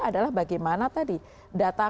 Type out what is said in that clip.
adalah bagaimana tadi data